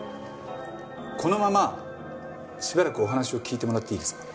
このまましばらくお話を聞いてもらっていいですか？